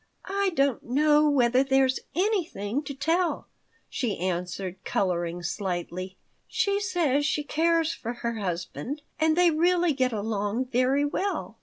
"I don't know whether there's anything to tell," she answered, coloring slightly. "She says she cares for her husband, and they really get along very well.